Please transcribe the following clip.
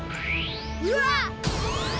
うわっ！